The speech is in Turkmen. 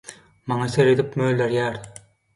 maňa seredip mölerýär.